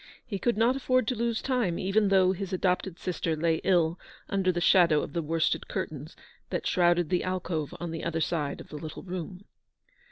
He could not afford to lose time, even though his adopted sister lay ill under the shadow of the worsted curtains that shrouded the alcove on the other side of the little room.